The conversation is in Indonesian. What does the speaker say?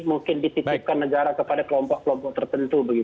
tugas tugas yang mungkin dititikkan negara kepada kelompok kelompok tertentu